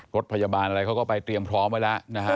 รถพยาบาลอะไรเขาก็ไปเตรียมพร้อมไว้แล้วนะฮะ